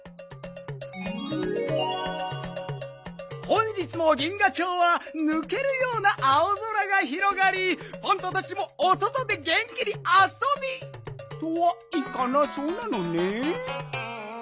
本日も銀河町はぬけるような青空がひろがりパンタたちもおそとでげんきにあそびとはいかなそうなのねん。